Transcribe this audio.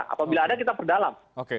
apabila ada kita perdalam